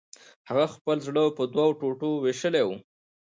هغه خپل زړه په دوو ټوټو ویشلی و